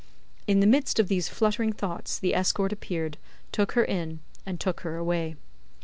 In the midst of these fluttering thoughts, the escort appeared, took her in, and took her away.